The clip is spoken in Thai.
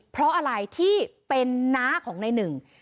เพราะอะไรที่เป็นน้าของในหนึ่ง